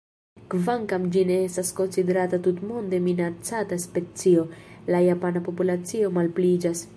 Kvankam ĝi ne estas konsiderata tutmonde minacata specio, la japana populacio malpliiĝas.